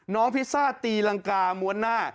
น้องพิซซ่าตีลังกามวรรณา